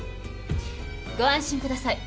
ご安心ください。